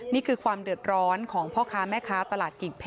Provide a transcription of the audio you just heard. นี่คือความเดือดร้อนของพ่อค้าแม่ค้า